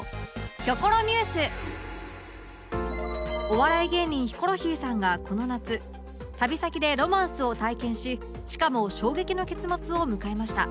お笑い芸人ヒコロヒーさんがこの夏旅先でロマンスを体験ししかも衝撃の結末を迎えました